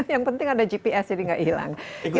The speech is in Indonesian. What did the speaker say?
yang penting ada gps jadi nggak hilang